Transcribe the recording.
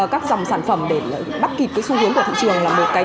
các dòng sản phẩm để bắt kịp cái xu hướng của thị trường là một cái